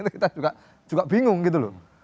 kita juga bingung gitu loh